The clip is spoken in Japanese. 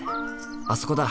あそこだ。